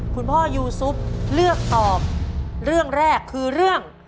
คุณพ่อยูซุปเลือกตอบเรื่องแรกคือเรื่อง